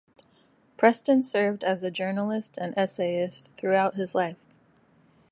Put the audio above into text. Preston served as a journalist and essayist throughout his life.